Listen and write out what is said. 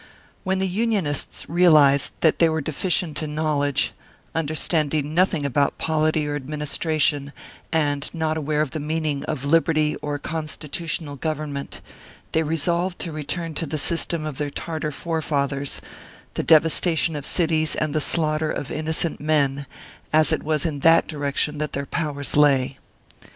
When the Unionists realised that they were deficient in knowledge, understanding nothing about polity or administration, and not aware of the meaning of i8 Martyred Armenia liberty or constitutional government, they resolved to return to the system of their Tartar forefathers, the devastation of cities and the slaughter of inno cent men, as it was in that direction that their powers lay.